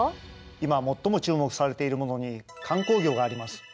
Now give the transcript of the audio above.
今最も注目されているものに観光業があります。